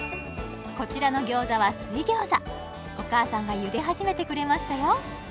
こちらの餃子は水餃子お母さんがゆで始めてくれましたよ